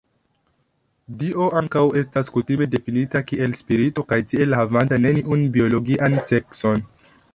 Dio ankaŭ estas kutime difinita kiel spirito, kaj tiel havanta neniun biologian sekson.